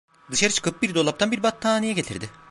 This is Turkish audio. Dışarı çıkıp bir dolaptan bir battaniye getirdi.